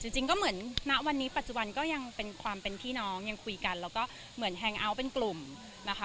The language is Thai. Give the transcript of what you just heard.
จริงก็เหมือนณวันนี้ปัจจุบันก็ยังเป็นความเป็นพี่น้องยังคุยกันแล้วก็เหมือนแฮงเอาท์เป็นกลุ่มนะคะ